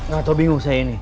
gak tau bingung saya ini